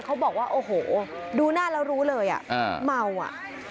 เขาบอกว่าโอ้โหดูหน้าแล้วรู้เลยอ่ะเมาอ่ะ